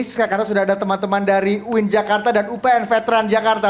sekarang sudah ada teman teman dari uin jakarta dan upn veteran jakarta